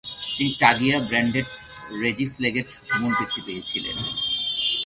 তিনি টাগিয়া ব্র্যান্ডেট রেজিসেলেগেট ভ্রমণ বৃত্তি পেয়েছিলেন।